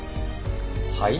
はい？